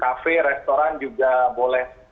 cafe restoran juga boleh